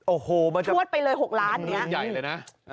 โอ้โหมันจะชวดไปเลย๖ล้านอย่างใหญ่เลยนะ